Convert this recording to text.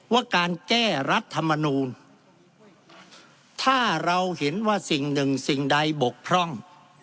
ว่าการแก้รัฐมนูลถ้าเราเห็นว่าสิ่งหนึ่งสิ่งใดบกพร่อง